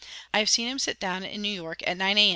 I have seen him sit down, in New York, at 9 A.